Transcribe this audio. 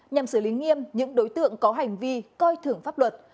nhằm xử lý nghiêm những đối tượng có hành vi coi thưởng pháp luật